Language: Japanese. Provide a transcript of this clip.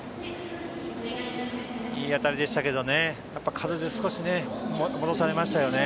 いい当たりでしたけど風で少し戻されましたよね。